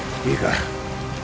いいか？